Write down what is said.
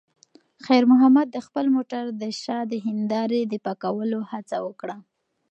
خیر محمد د خپل موټر د شا د هیندارې د پاکولو هڅه وکړه.